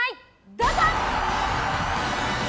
どうぞ！